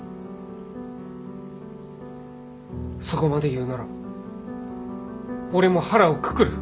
そこまで言うなら俺も腹をくくる。